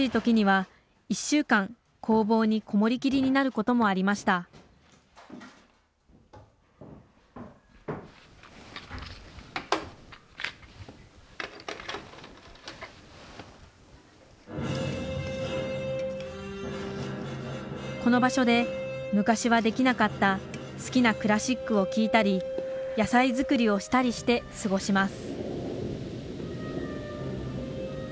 この場所で昔はできなかった好きなクラシックを聴いたり野菜作りをしたりして過ごします